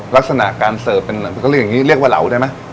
รักษณะการเสิร์ฟเรียกว่าเหล่าได้ไหม